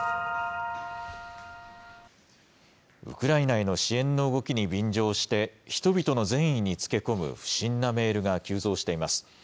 ウクライナへの支援の動きに便乗して、人々の善意につけ込む不審なメールが急増しています。